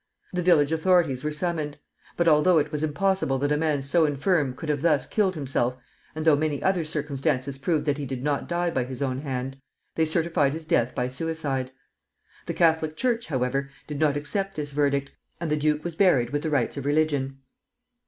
The village authorities were summoned; but although it was impossible a man so infirm could have thus killed himself and though many other circumstances proved that he did not die by his own hand, they certified his death by suicide. The Catholic Church, however, did not accept this verdict, and the duke was buried with the rites of religion.